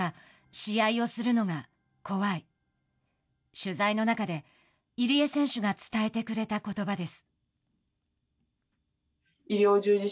取材の中で入江選手が伝えてくれたことばです。